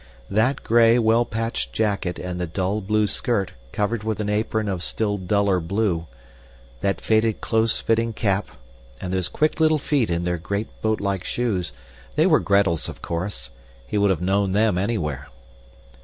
That gray well patched jacket and the dull blue skirt covered with an apron of still duller blue, that faded close fitting cap, and those quick little feet in their great boatlike shoes, they were Gretel's of course. He would have known them anywhere.